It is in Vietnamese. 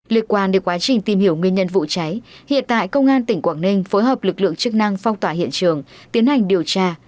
liên quan đến quá trình tìm hiểu nguyên nhân vụ cháy hiện tại công an tỉnh quảng ninh phối hợp lực lượng chức năng phong tỏa hiện trường tiến hành điều tra